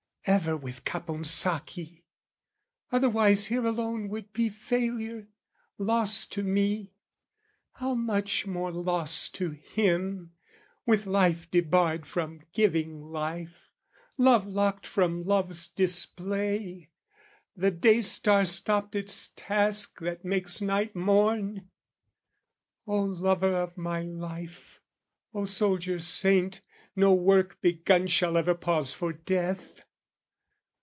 Ever with Caponsacchi! Otherwise Here alone would be failure, loss to me How much more loss to him, with life debarred From giving life, love locked from love's display, The day star stopped its task that makes night morn! O lover of my life, O soldier saint, No work begun shall ever pause for death!